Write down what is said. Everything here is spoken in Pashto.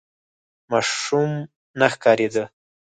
ماشوم نه ښکارېده.